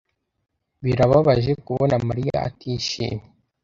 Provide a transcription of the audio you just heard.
Birababaje kubona Mariya atishimye.